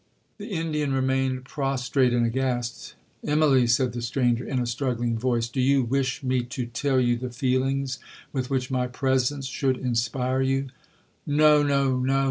'The Indian remained prostrate and aghast. 'Immalee,' said the stranger, in a struggling voice, 'Do you wish me to tell you the feelings with which my presence should inspire you?'—'No—no—no!'